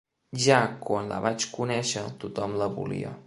Ja quan la vaig conèixer tothom la volia.